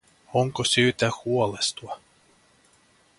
Onko syytä huolestua?